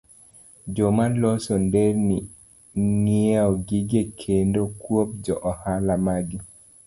Joma loso nderni ng'iewo gige gedo kuom jo ohala maggi